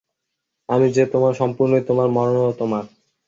আমি যে তোমার, সম্পূর্ণই তোমার– মরণেও তোমার।